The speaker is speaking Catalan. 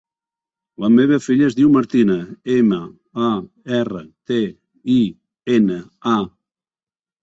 La meva filla es diu Martina: ema, a, erra, te, i, ena, a.